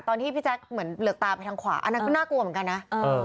พี่แจ๊คเหมือนเหลือกตาไปทางขวาอันนั้นก็น่ากลัวเหมือนกันนะ